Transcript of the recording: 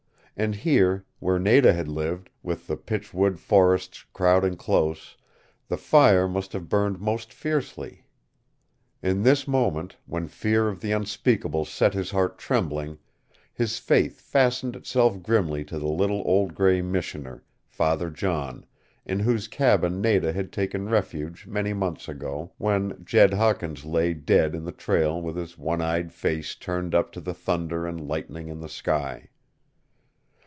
And here, where Nada had lived, with the pitch wood forests crowding close, the fire must have burned most fiercely. In this moment, when fear of the unspeakable set his heart trembling, his faith fastened itself grimly to the little old gray Missioner, Father John, in whose cabin Nada had taken refuge many months ago, when Jed Hawkins lay dead in the trail with his one eyed face turned up to the thunder and lightning in the sky.